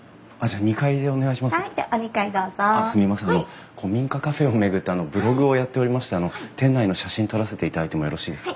あの古民家カフェを巡ってブログをやっておりまして店内の写真撮らせていただいてもよろしいですか？